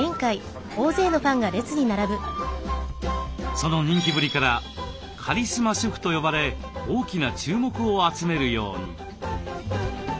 その人気ぶりから「カリスマ主婦」と呼ばれ大きな注目を集めるように。